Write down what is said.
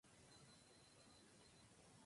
No en todas ellas tuvo participación directa.